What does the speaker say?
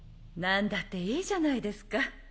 何だっていいじゃないですか。